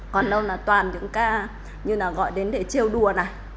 còn đâu là toàn những ca như là gọi đến để trêu đùa này